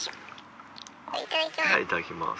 いただきます。